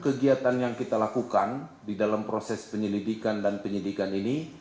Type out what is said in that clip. kegiatan yang kita lakukan di dalam proses penyelidikan dan penyidikan ini